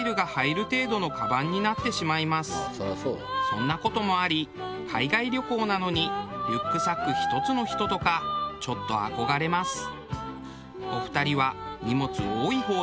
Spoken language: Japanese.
そんな事もあり海外旅行なのにリュックサック１つの人とかちょっと憧れます。